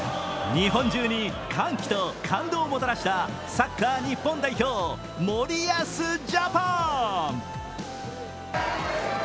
日本中に歓喜と感動をもたらしたサッカー日本代表森保ジャパン。